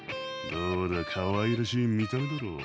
どうだかわいらしい見た目だろ。